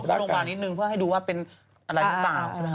เข้าโรงพยาบาลนิดนึงเพื่อให้ดูว่าเป็นอะไรก็ตาม